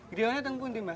gereolnya tempat pundi mbak